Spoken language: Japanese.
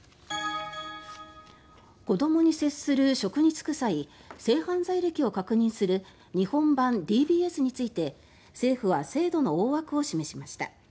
子どもに接する職に就く際性犯罪歴を確認する日本版ＤＢＳについて政府は制度の大枠を示しました。